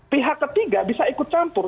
pihak ketiga bisa ikut campur